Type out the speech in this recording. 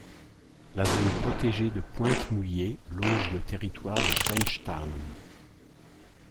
La zone protégée de Pointe Mouillée longe le territoire de Frenchtown.